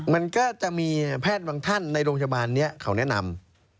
มันก็จะมีแพทย์บางท่านในโรงพยาบาลนี้เขาแนะนำ